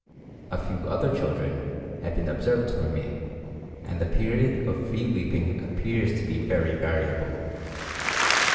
A few other children have been observed for me, and the period of free weeping appears to be very variable.